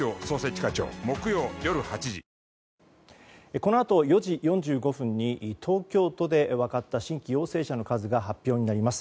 このあと４時４５分に東京都で分かった新規陽性者の数が発表になります。